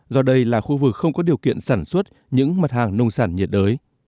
do đây là khu vực không có điều kiện sản xuất những mặt hàng nông sản nhiệt đới